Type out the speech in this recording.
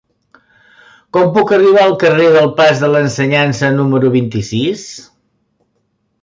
Com puc arribar al carrer del Pas de l'Ensenyança número vint-i-sis?